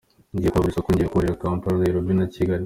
Ngiye kwagura isoko, njye nkorera Kampala, Nairobi na Kigali.